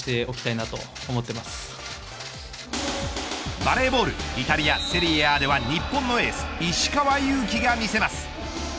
バレーボールイタリアセリエＡでは日本のエース石川祐希が見せます。